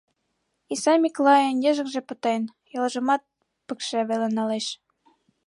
Исай Миклайын йыжыҥже пытен, йолжымат пыкше веле налеш.